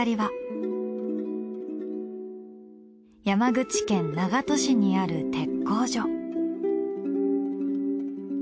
山口県長門市にある鉄工所。